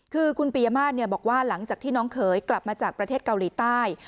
คือคุณปียมาสบอกว่าหลังจากที่พี่เคยกลับมาจากเกาหลีใต้